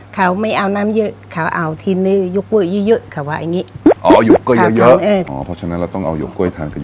เพราะฉะนั้นเราต้องเอาหยกแก้วเยอะนะ